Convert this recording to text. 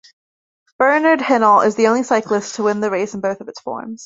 Bernard Hinault is the only cyclist to win the race in both its forms.